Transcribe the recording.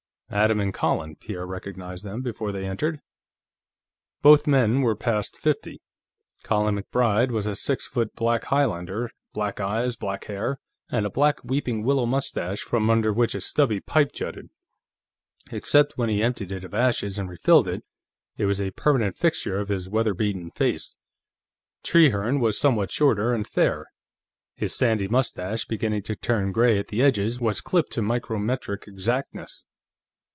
"Adam and Colin," Pierre recognized them before they entered. Both men were past fifty. Colin MacBride was a six foot black Highlander; black eyes, black hair, and a black weeping willow mustache, from under which a stubby pipe jutted. Except when he emptied it of ashes and refilled it, it was a permanent fixture of his weather beaten face. Trehearne was somewhat shorter, and fair; his sandy mustache, beginning to turn gray at the edges, was clipped to micrometric exactness.